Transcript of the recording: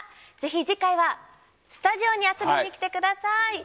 次回はスタジオに遊びに来てください！